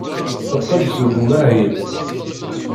Teqqel-d seg umahil.